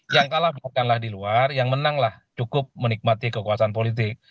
yang kalah makanlah di luar yang menanglah cukup menikmati kekuasaan politik